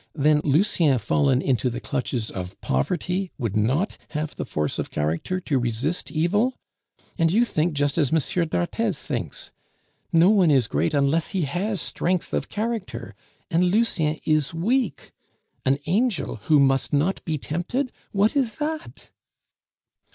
Then Lucien fallen into the clutches of poverty would not have the force of character to resist evil? And you think just as M. d'Arthez thinks! No one is great unless he has strength of character, and Lucien is weak. An angel must not be tempted what is that?"